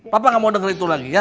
papa nggak mau denger itu lagi ya